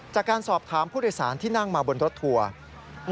จากการสอบถามผู้โดยสารที่นั่งมาบนรถทัวร์